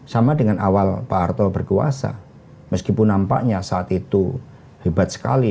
sama dengan awal pak harto berkuasa meskipun nampaknya saat itu hebat sekali